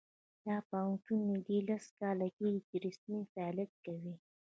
دا پوهنتون نږدې لس کاله کیږي چې رسمي فعالیت کوي